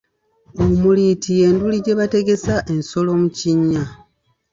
Omuliiti ye nduli gye bategesa ensolo mu kinnya.